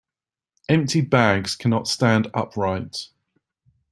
Empty bags cannot stand upright.